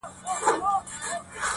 ویل پوه لا د ژوندون په قانون نه یې.!